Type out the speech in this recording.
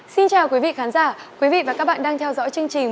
xin chào quý vị khán giả quý vị và các bạn đang theo dõi chương trình